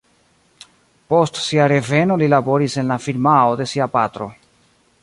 Post sia reveno li laboris en la firmao de sia patro.